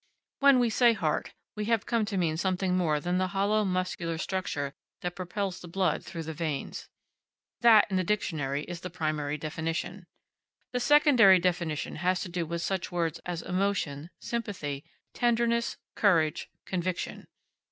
When we say heart we have come to mean something more than the hollow muscular structure that propels the blood through the veins. That, in the dictionary, is the primary definition. The secondary definition has to do with such words as emotion, sympathy, tenderness, courage, conviction.